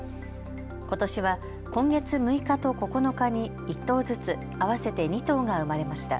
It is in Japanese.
ことしは今月６日と９日に１頭ずつ合わせて２頭が生まれました。